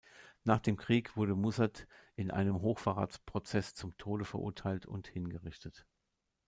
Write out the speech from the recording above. Nach dem Krieg wurde Mussert in einem Hochverratsprozess zum Tode verurteilt und hingerichtet.